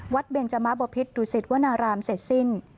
เบนจมะบพิษดุสิตวนารามเสร็จสิ้น